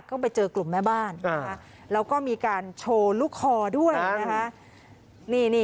ก็ไปเจอกลุ่มแม่บ้านแล้วก็มีการโชว์ลูกคอด้วยนะคะ